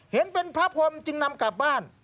เห็นเป็นพระพรมจึงนำกลับบ้าน